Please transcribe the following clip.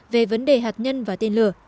về vấn đề hạt nhân và tên lửa